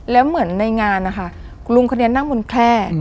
แล้วเหมือนในงานนะคะคุณลุงคนนี้นั่งบนแคล่